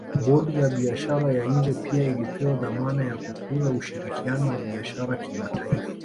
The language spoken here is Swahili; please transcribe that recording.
Bodi ya Biashara ya nje pia ilipewa dhamana ya kukuza ushirikiano wa biashara kimataifa